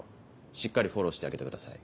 しっかりフォローしてあげてください。